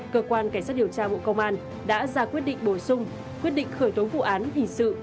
cơ quan cảnh sát điều tra bộ công an đã ra quyết định bổ sung quyết định khởi tố vụ án hình sự